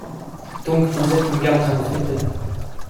Doncques, vous estes mon guardien ? feit-elle.